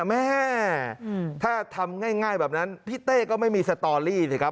แม่ถ้าทำง่ายแบบนั้นพี่เต้ก็ไม่มีสตอรี่สิครับ